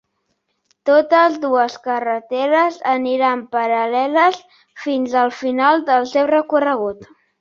Totes dues carreteres aniran paral·leles fins al final del seu recorregut.